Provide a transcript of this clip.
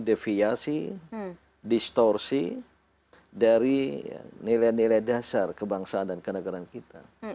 deviasi distorsi dari nilai nilai dasar kebangsaan dan kenegaraan kita